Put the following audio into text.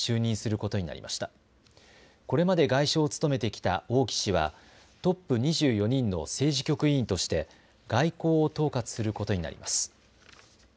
これまで外相を務めてきた王毅氏はトップ２４人の政治局委員として外交を統括することになります。